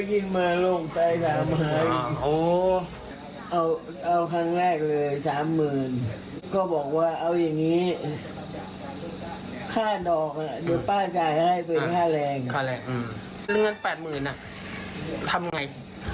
เรื่องเงิน๘เมืองทำไงคุณป้าทำไง